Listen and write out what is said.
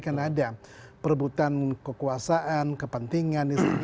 karena ada perebutan kekuasaan kepentingan di sini